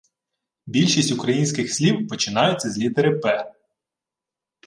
Більшість українських слів починаються з літери «П»